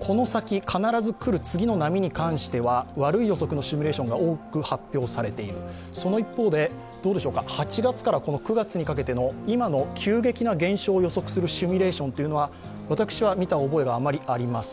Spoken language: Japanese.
この先必ず来る次の波に関しては悪い予測のシミュレーションが多く発表されている、その一方で８月から９月にかけての今の急激な減少を予測するシミュレーションは私は見た覚えがあまりありません